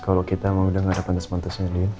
kalau kita emang udah gak ada pantes pantesnya dia